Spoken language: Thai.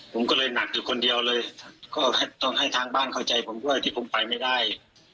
ผมก็เลยหนักอยู่คนเดียวเลยก็ต้องให้ทางบ้านเข้าใจผมด้วยที่ผมไปไม่ได้